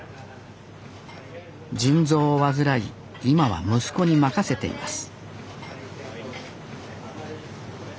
腎臓を患い今は息子に任せています